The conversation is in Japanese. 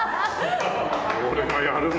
俺がやるの？